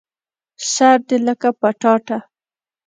سر دي لکه پټاټه